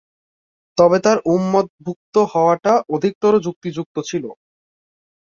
তবে তাঁর উম্মতভুক্ত হওয়াটা অধিকতর যুক্তিযুক্ত হতো।